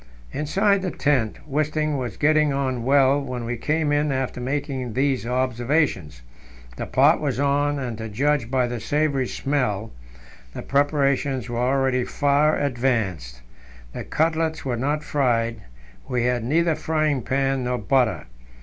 Inside the tent Wisting was getting on well when we came in after making these observations. The pot was on, and, to judge by the savoury smell, the preparations were already far advanced. The cutlets were not fried; we had neither frying pan nor butter.